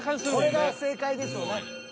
これが正解ですよね。